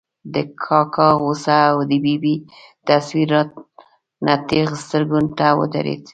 د کاکا غوسه او د ببۍ تصویر را ته نېغ سترګو ته ودرېد.